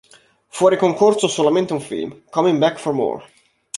Fuori concorso solamente un film, Coming Back for More.